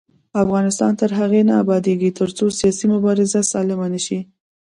افغانستان تر هغو نه ابادیږي، ترڅو سیاسي مبارزه سالمه نشي.